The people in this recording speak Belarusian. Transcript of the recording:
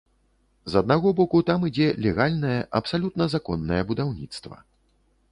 З аднаго боку, там ідзе легальнае, абсалютна законнае будаўніцтва.